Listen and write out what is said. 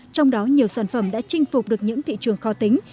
trong đó nhiều sản phẩm đã chinh phục được những thị trường khó tính